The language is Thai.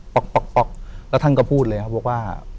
ป๊อกป๊อกป๊อกแล้วท่านก็พูดเลยครับว่า